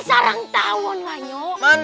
sarang tahun lanyo